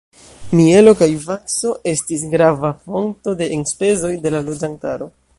Mielo kaj vakso estis grava fonto de enspezoj de la loĝantaro.